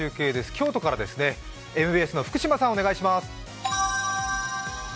京都からですね、ＭＢＣの福島さん、お願いします。